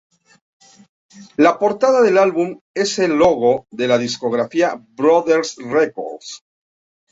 La portada del álbum es el logo de la discográfica Brother Records.